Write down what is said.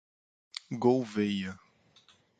Gouvêia